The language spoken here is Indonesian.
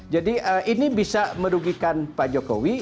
jadi ini bisa merugikan pak jokowi